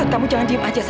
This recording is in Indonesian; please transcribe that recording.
aksan kamu jangan diem aja